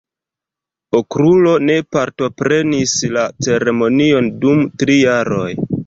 Okrulo ne partoprenis la ceremonion dum tri jaroj.